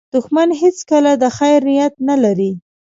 دښمن هیڅکله د خیر نیت نه لري